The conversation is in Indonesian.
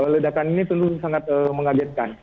ledakan ini tentu sangat mengagetkan